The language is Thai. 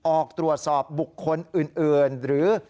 ออกตรวจสอบบุคคลอื่นหรือ